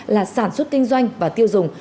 là sản xuất kinh doanh và tiêu dùng